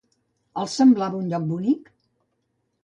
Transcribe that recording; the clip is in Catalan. Els semblava un lloc bonic?